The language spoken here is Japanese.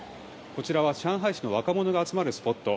こちらは上海市の若者が集まるスポット。